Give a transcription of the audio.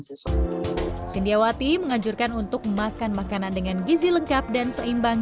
siswa sindiawati menganjurkan untuk makan makanan dengan gizi lengkap dan seimbang